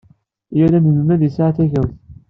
Yal anelmad yesɛa takwat.